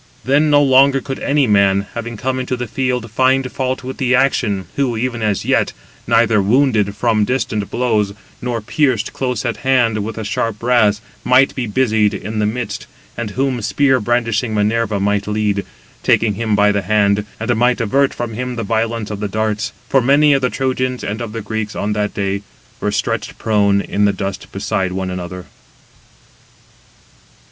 Then no longer could any man, having come into the field, find fault with the action, who, even as yet neither wounded from distant blows, 193 nor pierced close at hand with the sharp brass, might be busied in the midst, and whom spear brandishing Minerva might lead, taking him by the hand, and might avert from him the violence of the darts; for many of the Trojans and of the Greeks on that day were stretched prone in the dust beside one another.